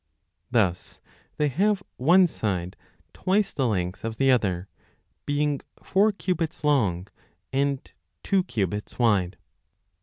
Thus they have one side twice the length of the other, being four cubits long and two cubits wide.